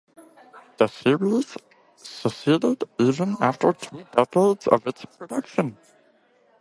The series succeeded even after two decades of its production.